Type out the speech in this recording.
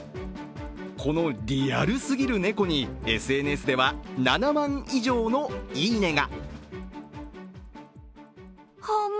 このリアルすぎる猫にＳＮＳでは７万以上のいいねが。